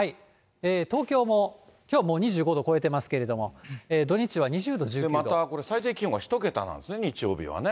東京も、きょうはもう２５度超えてますけれども、土日は２０またこれ、最低気温が１桁なんですね、日曜日はね。